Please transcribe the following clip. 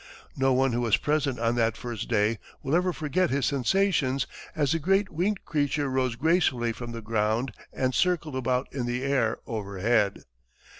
No one who was present on that first day will ever forget his sensations as the great winged creature rose gracefully from the ground and circled about in the air overhead.